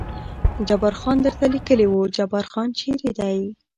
جبار خان درته لیکلي و، جبار خان چېرې دی؟